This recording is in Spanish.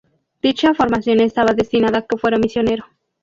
Dicha formación estaba destinada a que fuera misionero.